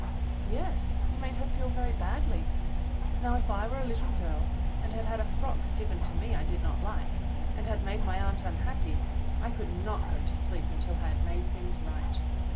"Yes, you made her feel very badly. Now, if I were a little girl and had had a frock given to me I did not like, and had made my aunt unhappy, I could not go to sleep until I had made things right.